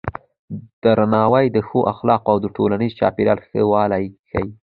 درناوی د ښو اخلاقو او د ټولنیزو چارو ښه والی ښيي.